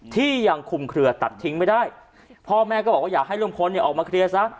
ที่ยังคุมเครือตัดทิ้งไม่ได้พ่อแม่ก็บอกว่าอยากให้ลุงพลเนี่ยออกมาเคลียร์ซะ